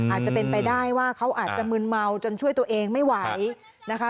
อาจจะเป็นไปได้ว่าเขาอาจจะมืนเมาจนช่วยตัวเองไม่ไหวนะคะ